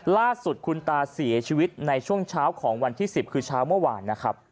ล่าสุดคุณตาเสียชีวิตในช่วงเช้าของวันที่๑๐คือเช้าเมื่อวานนะครับ